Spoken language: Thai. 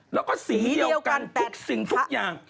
แล้วก็สีเดียวกันทุกสิ่งทุกอย่าง